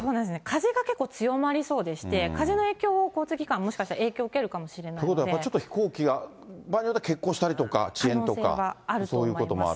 風が結構強まりそうでして、風の影響を交通機関、もしかしたら影響受けるかもしれないので。ということはやっぱりちょっと飛行機が、場合によっては欠航したりとか遅延とか、そういうこともある。